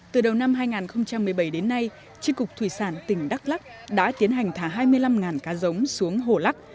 từ đầu năm hai nghìn một mươi bảy đến nay tri cục thủy sản tỉnh đắk lắc đã tiến hành thả hai mươi năm cá giống xuống hồ lắc